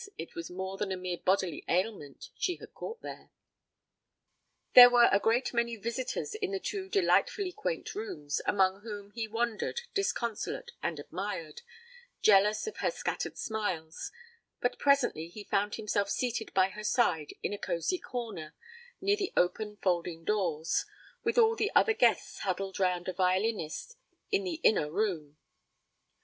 it was more than a mere bodily ailment she had caught there. There were a great many visitors in the two delightfully quaint rooms, among whom he wandered disconsolate and admired, jealous of her scattered smiles, but presently he found himself seated by her side on a 'cosy corner' near the open folding doors, with all the other guests huddled round a violinist in the inner room.